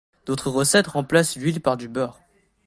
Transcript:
D'autres recettes remplacent l'huile par du beurre.